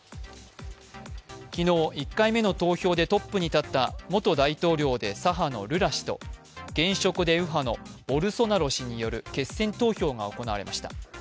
昨日、１回目の投票でトップに立った元大統領で左派のルラ氏と現職で右派のボルソナロ氏による決選投票が行われました。